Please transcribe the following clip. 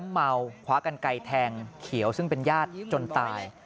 เมาคว้ากันไกลแทงเขียวซึ่งเป็นญาติจนตาย